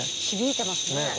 響いてますね。